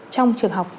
trong trường học